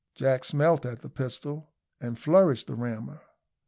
Jack smelt at the pistol, and flourished the rammer.